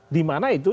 di mana itu